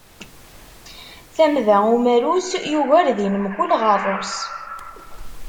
Tamda umalus yugar din mkul ɣerrus.